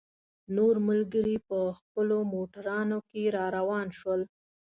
نور ملګري په خپلو موټرانو کې را روان شول.